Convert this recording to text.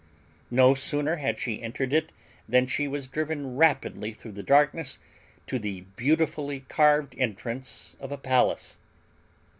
No sooner had she entered it than she was driven rapidly through the darkness to the beautifully carved entrance of a palace.